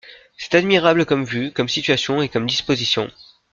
C'est admirable comme vue, comme situation et comme disposition.